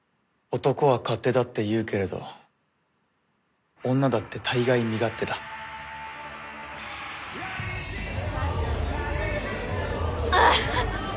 男は勝手だって言うけれど女だって大概身勝手だあぁ